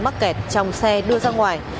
mắc kẹt trong xe đưa ra ngoài